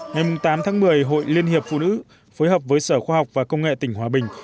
ngày tám tháng một mươi hội liên hiệp phụ nữ phối hợp với sở khoa học và công nghệ tỉnh hòa bình